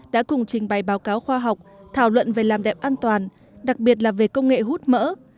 đã cùng trình bày báo cáo khoa học thảo luận về làm đẹp an toàn đặc biệt là về công nghệ hút mỡ